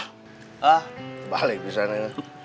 hah balik bisa ini